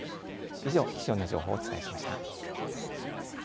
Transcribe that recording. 以上、気象の情報をお伝えしました。